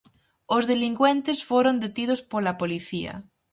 Os delincuentes foron detidos pola policía.